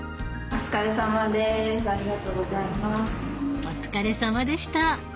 お疲れさまでした。